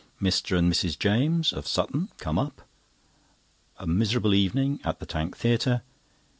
Mr. and Mrs. James, of Sutton, come up. A miserable evening at the Tank Theatre.